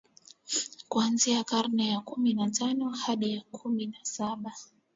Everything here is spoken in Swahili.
kuanzia karne ya kumi na tano hadi ya kumi na saba